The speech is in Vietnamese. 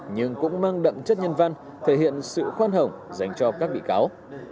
nhưng cũng mang đậm chất nhân văn thể hiện sự khoan hồng dành cho các bị cáo